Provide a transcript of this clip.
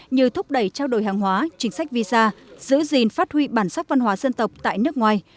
như thúc đẩy trao đổi hàng hóa chính sách visa giữ gìn phát huy bản sắc văn hóa dân tộc tại nước ngoài